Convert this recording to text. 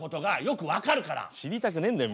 知りたくねえんだよ